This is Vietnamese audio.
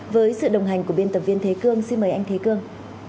với sự đồng hành của biên tập viên thế cương xin mời anh thế cương